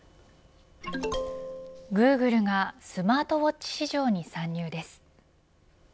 グーグルが、スマートウォッチ市場に参入です。